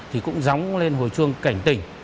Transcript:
thì cũng giống lên hồi chuông cảnh tình